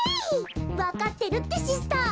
わかってるってシスター。